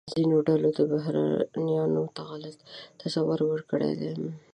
ځینو ډلو بهرنیانو ته غلط تصور ورکړی دی.